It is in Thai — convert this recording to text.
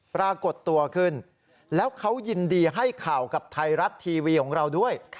ปรากฏตัวขึ้นแล้วเขายินดีให้ข่าวกับไทยรัฐทีวีของเราด้วย